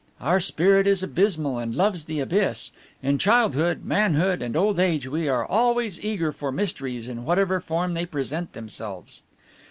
"Our spirit is abysmal and loves the abyss. In childhood, manhood, and old age we are always eager for mysteries in whatever form they present themselves."